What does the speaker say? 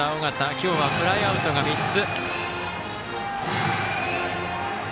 今日はフライアウトが３つ。